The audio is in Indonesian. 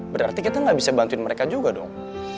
berarti kita nggak bisa bantuin mereka juga dong